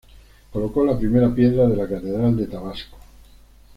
Colocó la primera piedra de la Catedral de Tabasco.